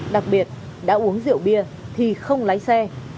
đặc biệt đã uống rượu bia thì không lái xe